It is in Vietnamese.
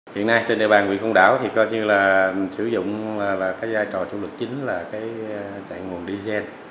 hiện nay trên địa bàn huyện côn đảo thì coi như là sử dụng là cái giai trò chủ lực chính là cái nguồn diesel